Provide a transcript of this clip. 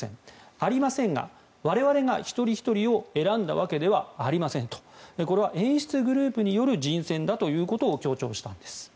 ありませんが我々が一人ひとりを選んだわけではありませんとこれは演出グループの人選だと強調したんです。